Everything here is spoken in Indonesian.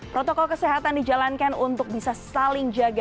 protokol kesehatan dijalankan untuk bisa saling jaga